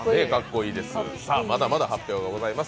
まだまだ発表がございます。